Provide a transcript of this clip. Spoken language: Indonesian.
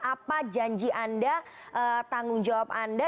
apa janji anda tanggung jawab anda